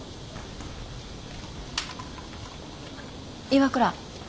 岩倉。